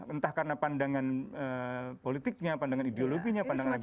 entah karena pandangan politiknya pandangan ideologinya pandangan agamanya